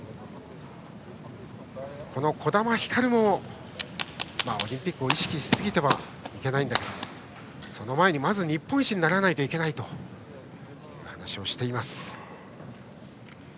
児玉ひかるもオリンピックを意識しすぎてはいけないんだけれどもその前にまず日本一にならないといけないという話をしています。